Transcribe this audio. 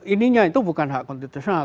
ininya itu bukan hak konstitusional